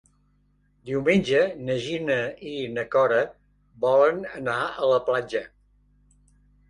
Diumenge na Gina i na Cora volen anar a la platja.